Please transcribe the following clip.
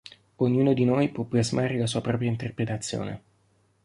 Ognuno di noi può plasmare la sua propria interpretazione.